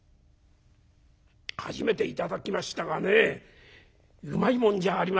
初めて頂きましたがねうまいもんじゃありませんか」。